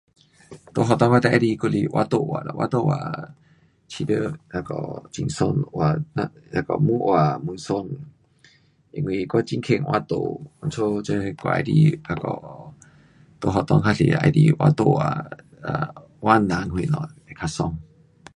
在学堂我最喜欢还是画图画啦，画图画觉得那个很爽，画，那个越画越爽。因为我很棒画图，因此这我喜欢那个，在学堂较较多会喜欢画图画，um 画人什么。会较爽。